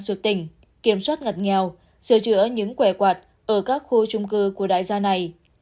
sược tỉnh kiểm soát ngặt nghèo sửa chữa những quẻ quạt ở các khu trung cư của đại gia này